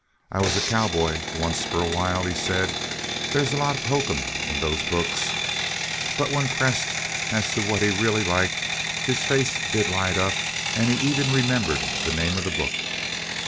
"I was a cowboy once for a while," he said. "There's a lot of hokum in those books." But when pressed as to what he really liked his face did light up and he even remembered the name of the book.